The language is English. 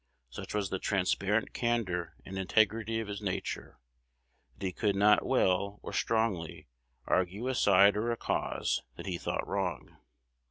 Such was the transparent candor and integrity of his nature, that he could not well, or strongly, argue a side or a cause that he thought wrong.